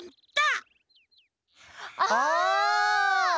あ！